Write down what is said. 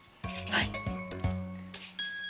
はい。